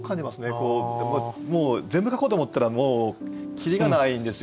もう全部書こうと思ったらもう切りがないんですよ。